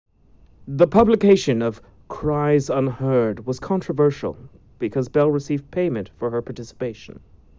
The publication of "Cries Unheard" was controversial because Bell received payment for her participation.